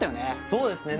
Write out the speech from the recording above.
そうですね